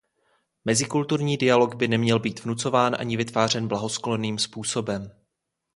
Mezikulturní dialog by neměl být vnucován ani vytvářen blahosklonným způsobem.